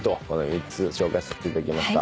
３つ紹介させていただきました。